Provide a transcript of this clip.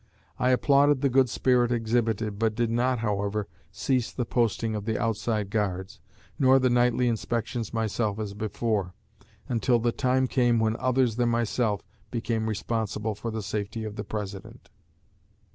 I applauded the good spirit exhibited, but did not, however, cease the posting of the outside guards, nor the nightly inspections myself as before, until the time came when others than myself became responsible for the safety of the President."